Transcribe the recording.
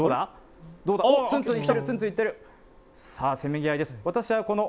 さあ、せめぎ合いです。